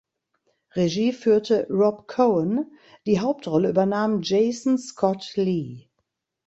Regie führte Rob Cohen, die Hauptrolle übernahm Jason Scott Lee.